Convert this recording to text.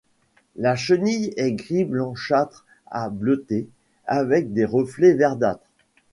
La chenille est gris blanchâtre à bleutée, avec des reflets verdâtres.